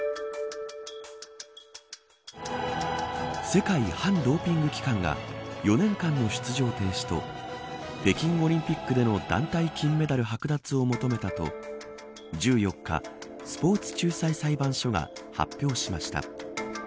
世界反ドーピング機関が４年間の出場停止と北京オリンピックでの団体金メダルはく奪を求めたと１４日スポーツ仲裁裁判所が発表しました。